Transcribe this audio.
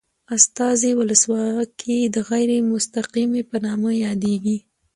استازي ولسواکي د غیر مستقیمې په نامه یادیږي.